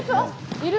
いる！